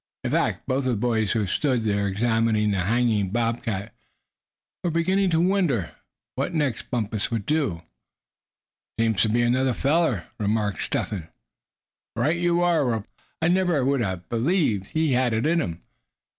In fact, both of the boys who stood there, examining the hanging bob cat, were beginning to wonder what next Bumpus would do. "Seems to be another feller," remarked Step Hen. "Right you are," replied Giraffe. "I never would have believed he had it in him.